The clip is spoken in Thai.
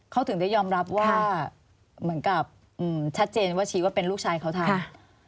เขาถึงได้ยอมรับว่าเหมือนกับชัดเจนว่าชี้ว่าเป็นลูกชายเขาทำ